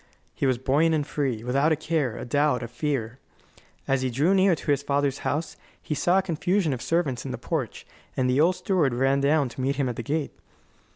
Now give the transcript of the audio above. He was buoyant and free, without a care, a doubt, a fear. As he drew near to his father's house he saw a confusion of servants in the porch, and the old steward ran down to meet him at the gate.